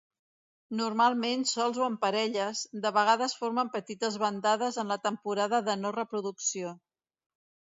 Normalment sols o en parelles, de vegades formen petites bandades en la temporada de no reproducció.